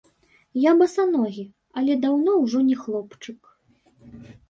Я басаногі, але даўно ўжо не хлопчык.